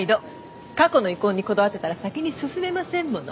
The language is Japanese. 過去の遺恨にこだわってたら先に進めませんもの。